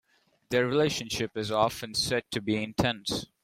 "Their relationship is often said to be intense.